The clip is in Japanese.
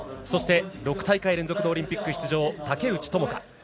そして６大会連続のオリンピック出場竹内智香。